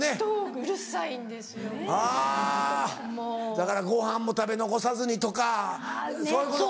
だからごはんも食べ残さずにとかそういうこと。